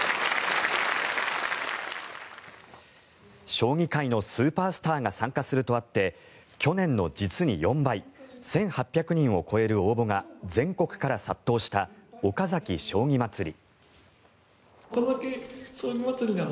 将棋界のスーパースターが参加するとあって去年の実に４倍１８００人を超える応募が全国から殺到した岡崎将棋まつり。